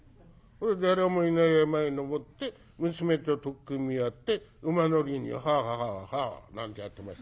「誰もいない山へ登って娘と取っ組み合って馬乗りに」なんてやってましたがね。